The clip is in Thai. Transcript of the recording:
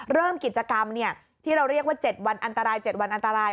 เริ่มกิจกรรมที่เราเรียกว่า๗วันอันตราย